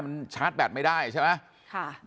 มันชาร์จแบตไม่ได้ใช่ไหม